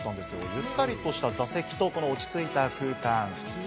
ゆったりとした座席と落ち着いた空間。